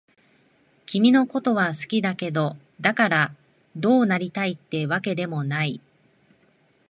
君のことは好きだけど、だからどうなりたいってわけでもない。